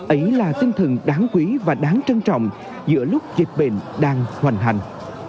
ấy là tinh thần đáng quý và đáng trân trọng giữa lúc dịch bệnh đang hoành hành